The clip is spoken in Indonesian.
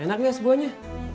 enak gak sebuahnya